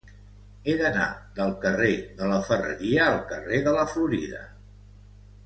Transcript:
He d'anar del carrer de la Ferreria al carrer de la Florida.